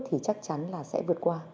thì chắc chắn là sẽ vượt qua